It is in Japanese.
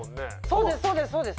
そうですそうですそうです。